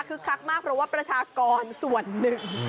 คลักมากเพราะว่าประชากรส่วนหนึ่ง